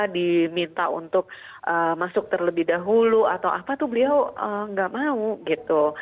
diminta untuk masuk terlebih dahulu atau apa tuh beliau nggak mau gitu